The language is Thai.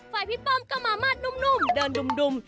พี่ป้อมก็มามาดนุ่มเดินดุ่ม